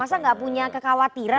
masa enggak punya kekhawatiran